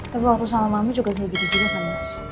tapi waktu sama mami juga jadi gitu gitu kan